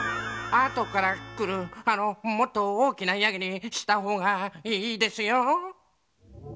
あとからくるあのもっとおおきなヤギにしたほうがいいですよ。